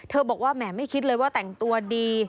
บอกว่าแหมไม่คิดเลยว่าแต่งตัวดี